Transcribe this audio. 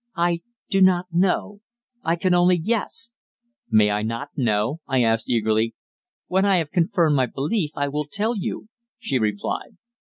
"I do not know. I can only guess." "May I not know?" I asked eagerly. "When I have confirmed my belief, I will tell you," she replied.